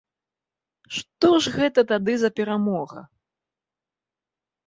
Што ж гэта тады за перамога?